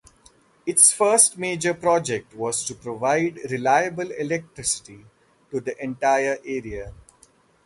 Its first major project was to provide reliable electricity to the entire area.